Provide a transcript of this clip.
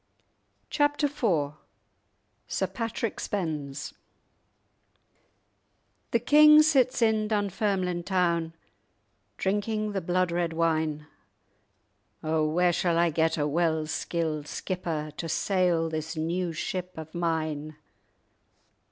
*Chapter IV* *Sir Patrick Spens* "The king sits in Dunfermline town Drinking the blood red wine; 'O where shall I get a well skilled skipper To sail this new ship of mine?